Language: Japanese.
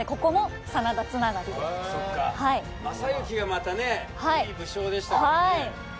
またねいい武将でしたからね